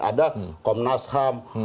ada komnas ham